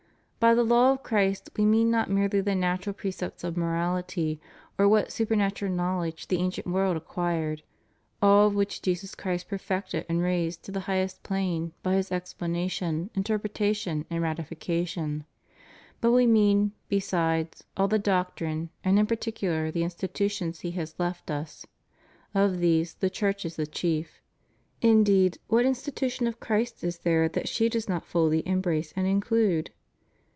By the law of Christ we mean not merely the natural precepts of morality, or what supernatural knowledge the ancient world acquired, all which Jesus Christ perfected and raised to the highest plane by His explanation, inter pretation, and ratification ; but we mean, besides, all the doctrine and in particular the institutions He has left us. Of these the Church is the chief. Indeed, what institu tion of Christ is there that she does not fully embrace and include?